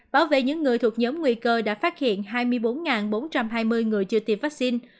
bảo vệ những người thuộc nhóm nguy cơ đã phát hiện hai mươi bốn bốn trăm hai mươi người chưa tiêm vaccine